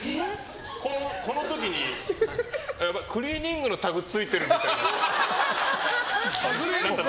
この時にクリーニングのタグ付いてる！みたいな。